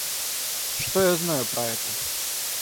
Что я знаю про это?